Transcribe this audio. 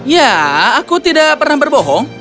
ya aku tidak pernah berbohong